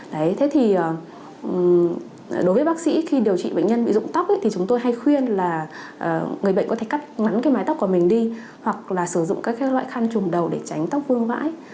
đối với bác sĩ khi điều trị bệnh nhân bị dụng tóc thì chúng tôi hay khuyên là người bệnh có thể cắt ngắn mái tóc của mình đi hoặc là sử dụng các loại khăn chùm đầu để tránh tóc vuông vãi